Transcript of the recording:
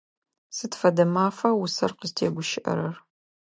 Сыд фэдэ мафа усэр къызтегущыӏэрэр?